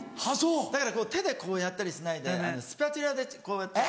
だから手でこうやったりしないでスパチュラでこうやって。